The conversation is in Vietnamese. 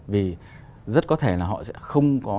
vì rất có thể là họ sẽ không có